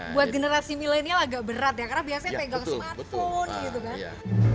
buat generasi milenial agak berat ya karena biasanya pegang smartphone gitu kan